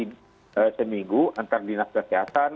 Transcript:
ini seminggu antar dinas kesehatan